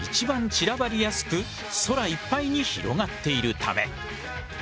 散らばりやすく空いっぱいに広がっているため。